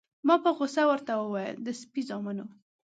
ما په غوسه ورته وویل: د سپي زامنو.